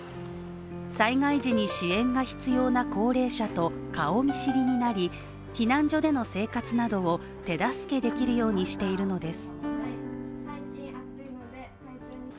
災害時に支援が必要な高齢者と顔見知りになり、避難所での生活などを、手助けできるようにしているのです。